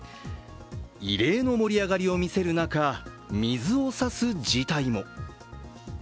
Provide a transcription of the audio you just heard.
異例の盛り上がりを見せる中、水を差す事態も。